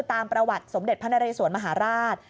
ตามประวัติสมเด็จพระนเรสวนมหาราช